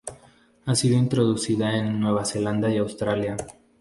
Ha sido introducida en Nueva Zelanda y Australia.